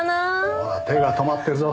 ほら手が止まってるぞ。